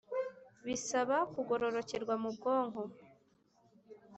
bisaba kugororokerwa mu bwonko.